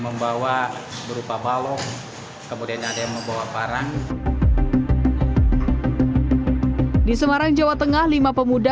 membawa berupa balong kemudian ada yang membawa parang di semarang jawa tengah lima pemuda